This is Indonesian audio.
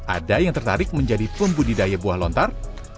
ada yang tertarik menjadi pembudidaya buah lontar